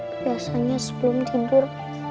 biasanya sebelum tidur